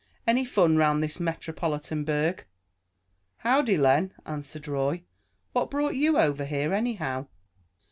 Any fun 'round this metropolitan burg?" "Howdy, Len," answered Roy. "What brought you over here, anyhow?"